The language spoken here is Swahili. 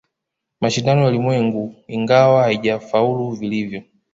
Mashindano ya Ulimwengu ingawa haijafaulu vilivyo